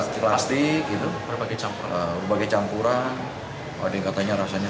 terima kasih atas informasinya